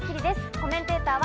コメンテーターは。